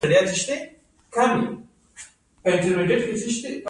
د بدخشان په واخان کې د څه شي نښې دي؟